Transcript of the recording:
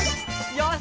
よし！